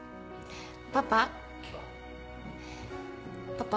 パパ。